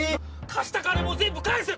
貸した金も全部返せ！